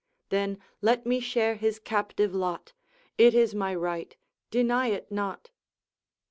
Then let me share his captive lot; It is my right, deny it not!'